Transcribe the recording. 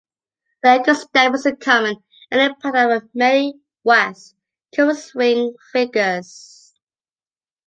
The Anchor Step is a common ending pattern of many West Coast Swing figures.